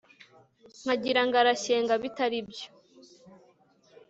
nkagira ngo arashyenga bitaribyo